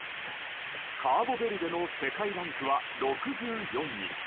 カーボベルデの世界ランクは６４位。